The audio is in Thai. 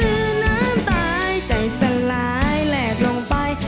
คือน้ำตายใจสลายแหลกลงไป